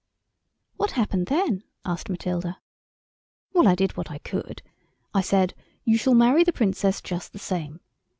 "What happened then?" asked Matilda. "Well, I did what I could. I said, 'You shall marry the Princess just the same.